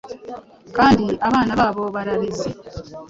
Kandi abana babo bararize,